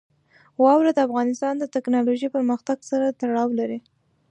واوره د افغانستان د تکنالوژۍ پرمختګ سره تړاو لري.